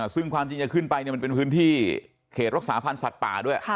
ซึ่งความจริงจะขึ้นไปมันเป็นพื้นที่เขตรักษาพันธ์สัตว์ป่าด้วย